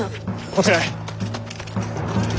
こちらへ。